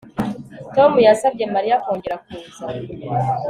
Tom yasabye Mariya kongera kuza